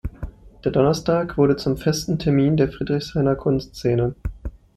Der Donnerstag wurde zum festen Termin der Friedrichshainer Kunstszene.